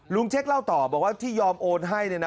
ลุงเช็คเล่าต่อบอกว่าที่ยอมโน้นให้นี่นะ